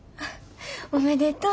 おめでとう！